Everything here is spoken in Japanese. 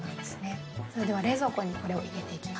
それでは冷蔵庫にこれを入れていきます。